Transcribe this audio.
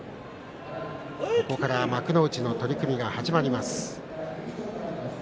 ここから幕内の取組が始まります。